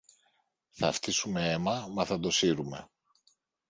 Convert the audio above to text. Θα φτύσουμε αίμα μα θα το σύρουμε.